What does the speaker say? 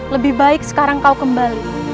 lebih baik sekarang kau kembali